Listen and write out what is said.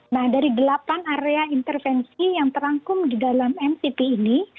nah dari delapan area intervensi yang terangkum di dalam mcp ini